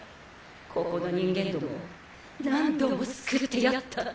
ここの人間どもを何度も救ってやった。